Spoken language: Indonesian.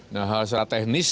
nah hal secara teknis